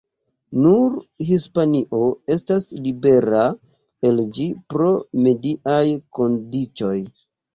Nur Hispanio estas libera el ĝi pro mediaj kondiĉoj.